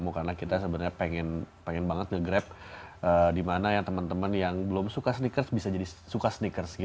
karena kita sebenarnya pengen banget nge grab di mana teman teman yang belum suka sneakers bisa jadi suka sneakers